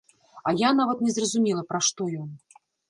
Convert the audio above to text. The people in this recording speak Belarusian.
А я нават не зразумела, пра што ён!